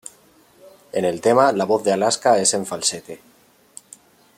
En el tema, la voz de Alaska es en falsete.